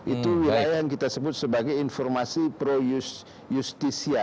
itu wilayah yang kita sebut sebagai informasi pro justisia